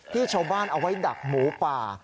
ที่ชาวบ้านเอาไว้ดักหมูป่า